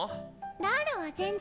ラーラは全然。